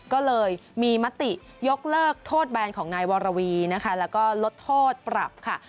ก็เลยมีมติยกเลิกโทษแบนของนายวรวีนะคะแล้วก็ลดโทษปรับค่ะ